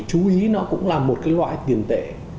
chú ý nó cũng là một cái loại tiền tệ